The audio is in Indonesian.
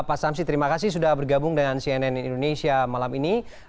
pak samsi terima kasih sudah bergabung dengan cnn indonesia malam ini